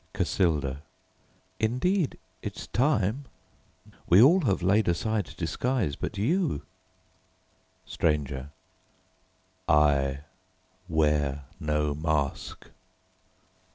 CASSILDA: Indeed it's time. We all have laid aside disguise but you. STRANGER: I wear no mask.